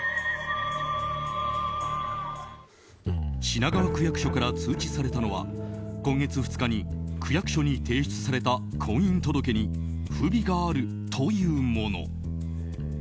品川区役所から通知されたのは今月２日に区役所に提出された婚姻届に不備があるというもの。